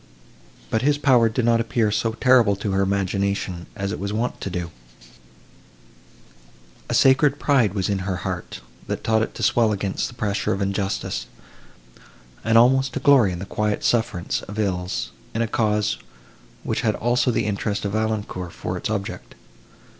But his power did not appear so terrible to her imagination, as it was wont to do: a sacred pride was in her heart, that taught it to swell against the pressure of injustice, and almost to glory in the quiet sufferance of ills, in a cause, which had also the interest of Valancourt for its object.